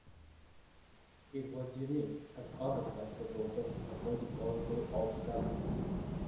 It was unique, as other flag proposals avoid the color blue altogether.